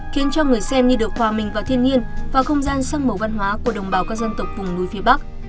khiến cho người xem như được hòa mình vào thiên nhiên và không gian sắc màu văn hóa của đồng bào các dân tộc vùng núi phía bắc